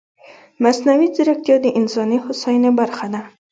مصنوعي ځیرکتیا د انساني هوساینې برخه ده.